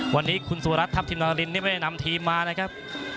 วันนี้คุณสุรัตนทัพทิมนารินนี่ไม่ได้นำทีมมานะครับ